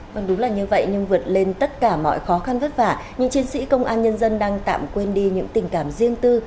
vâng đúng là như vậy nhưng vượt lên tất cả mọi khó khăn vất vả nhưng chiến sĩ công an nhân dân đang tạm quên đi những tình cảm riêng tư